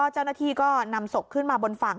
เจ้าหน้าที่ก็นำศพขึ้นมาบนฝั่ง